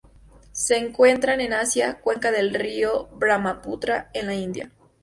Se encuentran en Asia: cuenca del río Brahmaputra en la India.